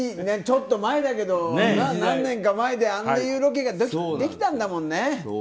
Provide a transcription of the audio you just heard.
ちょっと前だけど、何年か前でああいうロケができたんだもんね。